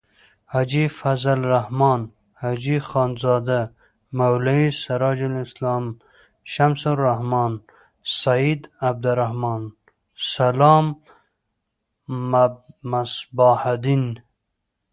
حاجی فضل الرحمن. حاجی خانزاده. مولوی سراج السلام. شمس الرحمن. سعیدالرحمن.سلام.مصباح الدین